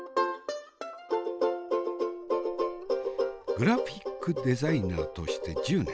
グラフィックデザイナーとして１０年。